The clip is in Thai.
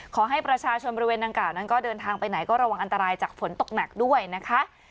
ขอให้ประชาชนบริเวณดังกล่าวนั้นก็เดินทางไปไหนก็ระวังอันตรายจากฝนตกหนักด้วยนะคะ